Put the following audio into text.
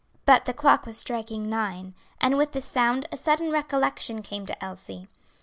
But the clock was striking nine, and with the sound, a sudden recollection came to Elsie.